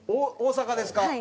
大阪ですか？